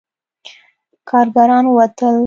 کارګران ووتل.